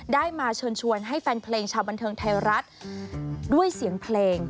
ได้มาเชิญชวนให้แฟนเพลงชาวบันเทิงไทยรัฐด้วยเสียงเพลง